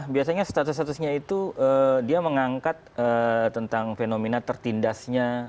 biasanya status statusnya itu dia mengangkat tentang fenomena tertindasnya